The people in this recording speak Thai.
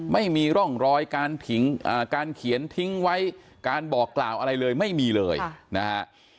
ไม่มีร่องรอยการเขียนทิ้งไว้การบอกกล่าวอะไรเลยไม่มีเลยนะฮะ